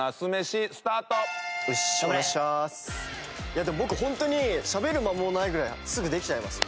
いやでも僕ホントにしゃべる間もないぐらいすぐできちゃいます。